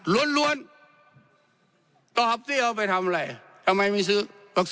ล้วนล้วนตอบเต้อเอาไปทำอะไรทำไมไม่ซื้อ